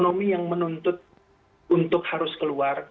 jika ada yang menuntut untuk harus keluar